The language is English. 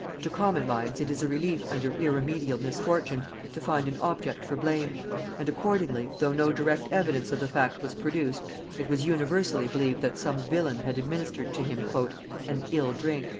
To common minds it is a relief under irremediable misfortune to find an object for blame; and accordingly, though no direct evidence of the fact was produced, it was universally believed that some villain had administered to him "an ill drink."